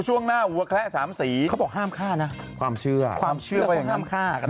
ช่วงหน้าหัวแคละสามสีเขาบอกห้ามฆ่านะความเชื่อความเชื่อว่าห้ามฆ่ากัน